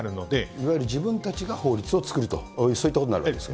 いわゆる自分たちが法律を作ると、そういったことになるんですか。